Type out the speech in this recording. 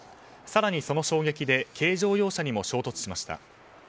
更に、その衝撃で軽乗用車にも衝突しました。